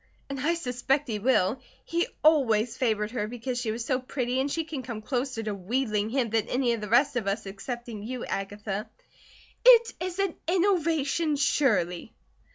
And I suspect he will. He always favoured her because she was so pretty, and she can come closer to wheedling him than any of the rest of us excepting you, Agatha." "It is an innovation, surely!"